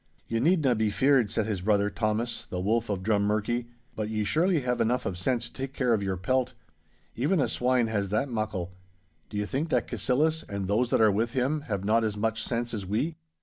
'Ye needna be feared,' said his brother Thomas, the Wolf of Drummurchie, 'but ye surely have enough of sense to take care of your pelt. Even a swine has that muckle. Do you think that Cassillis, and those that are with him, have not as much sense as we?